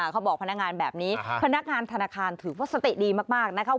พนักงานแบบนี้พนักงานธนาคารถือว่าสติดีมากนะคะ